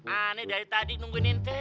ini yang udah nungguin itu